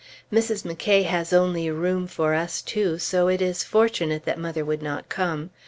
Mrs. McCay has only room for us two, so it is fortunate that mother would not come.